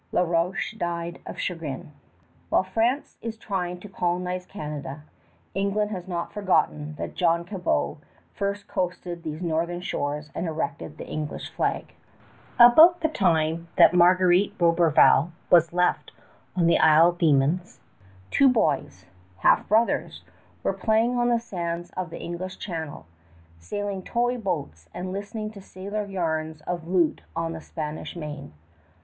La Roche died of chagrin. While France is trying to colonize Canada, England has not forgotten that John Cabot first coasted these northern shores and erected the English flag. [Illustration: QUEEN ELIZABETH] About the time that Marguerite Roberval was left alone on Isle Demons, two boys half brothers were playing on the sands of the English Channel, sailing toy boats and listening to sailor yarns of loot on the Spanish Main.